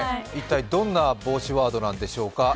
一体どんな防止ワードなんでしょうか。